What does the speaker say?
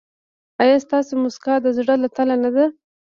ایا ستاسو مسکا د زړه له تله نه ده؟